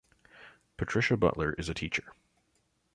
Patricia Butler is a teacher.